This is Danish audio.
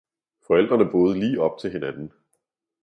Forældrene boede lige op til hinanden.